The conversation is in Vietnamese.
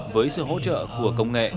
với sự hỗ trợ của công nghệ